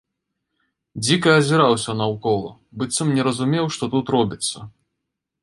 Дзіка азіраўся наўкола, быццам не разумеў, што тут робіцца.